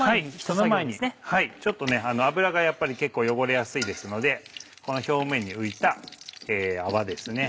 その前に油がやっぱり結構汚れやすいですのでこの表面に浮いた泡ですね